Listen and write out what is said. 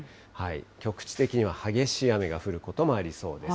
局地的には激しい雨が降ることもありそうです。